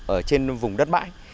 ở trên vùng đất bãi